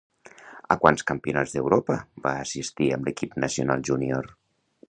A quants Campionats d'Europa va assistir amb l'equip nacional júnior?